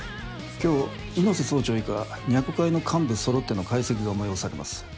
今日猪瀬総長以下若琥会の幹部そろっての会席が催されます。